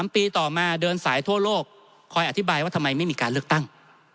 ปีต่อมาเดินสายทั่วโลกคอยอธิบายว่าทำไมไม่มีการเลือกตั้ง